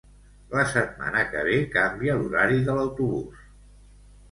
La setmana que ve canvia l'horari de l'autobús